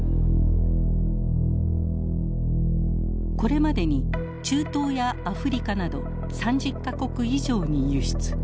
これまでに中東やアフリカなど３０か国以上に輸出。